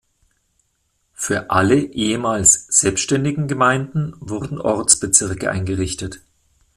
Für alle ehemals selbstständigen Gemeinden wurden Ortsbezirke eingerichtet.